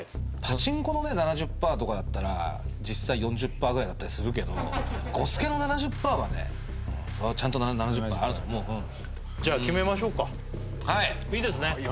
パチンコのね７０％とかだったら実際４０％ぐらいだったりするけどゴスケの７０％はねちゃんと７０％あると思うじゃ決めましょうかいいですね